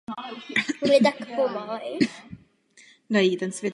Vyskytuje se především na jihu a východě Spojených států a v Mexiku.